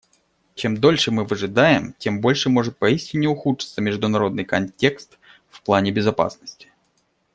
Чем дольше мы выжидаем, тем больше может поистине ухудшиться международный контекст в плане безопасности.